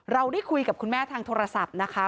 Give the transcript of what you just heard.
เราได้คุยกับคุณแม่ทางโทรศัพท์นะคะ